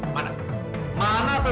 mana sesajian aku pesan